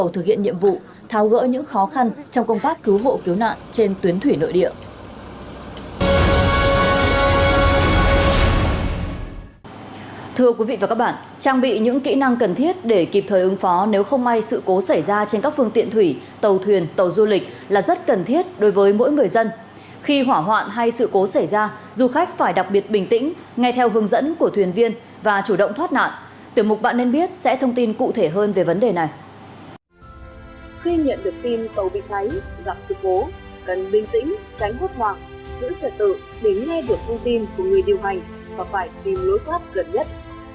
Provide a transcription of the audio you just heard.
tìm tàu bị cháy gặm sự cố cần bình tĩnh tránh hút hoạng giữ trật tự đến nghe được thông tin của người điều hành và phải tìm lối thoát gần nhất